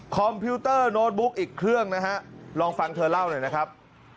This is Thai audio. คอมพิวเตอร์โน้ตบุ๊กอีกเครื่องนะฮะลองฟังเธอเล่าหน่อยนะครับ